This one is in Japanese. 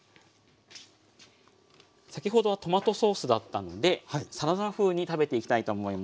先ほどはトマトソースだったんでサラダ風に食べていきたいと思います。